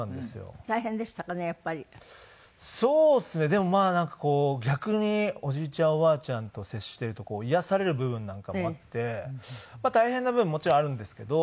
でもまあ逆におじいちゃんおばあちゃんと接していると癒やされる部分なんかもあって大変な部分もちろんあるんですけど。